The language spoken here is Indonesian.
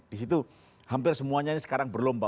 disitu hampir semuanya ini sekarang berlomba